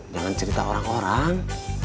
jangan cerita orang orang